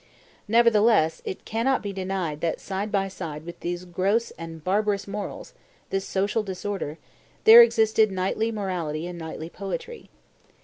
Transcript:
Nevertheless it cannot be denied that side by side with these gross and barbarous morals, this social disorder, there existed knightly morality and knightly poetry.